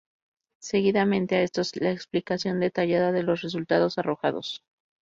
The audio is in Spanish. Seguidamente a estos, la explicación detallada de los resultados arrojados.